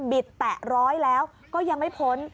ิดแตะร้อยแล้วก็ยังไม่พ้น